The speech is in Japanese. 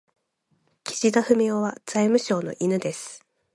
岸田文雄は財務省の犬です。